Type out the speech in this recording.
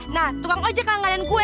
nah tua ngojek angga dan gue